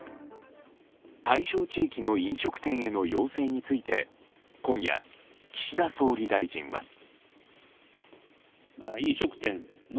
対象地域の飲食店への要請について今夜、岸田総理大臣は。